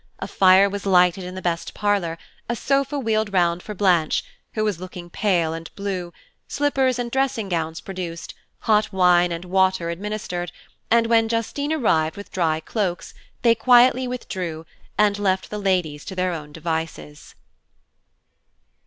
A fire was lighted in the best parlour, a sofa wheeled round for Blanche, who was looking pale and blue, slippers and dressing gowns produced, hot wine and water administered, and when Justine arrived with dry cloaks they quietly withdrew, and left the ladies to their own devices.